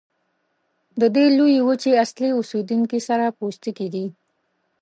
د دې لویې وچې اصلي اوسیدونکي سره پوستکي دي.